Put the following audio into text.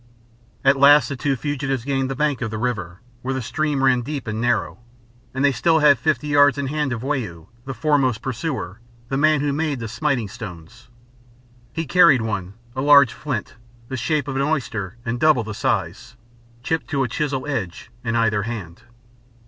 At last the two fugitives gained the bank of the river, where the stream ran deep and narrow, and they still had fifty yards in hand of Wau, the foremost pursuer, the man who made the smiting stones. He carried one, a large flint, the shape of an oyster and double the size, chipped to a chisel edge, in either hand.